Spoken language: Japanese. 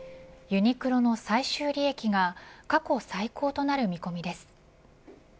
ユニクロの最終利益が過去最高となる見込みです。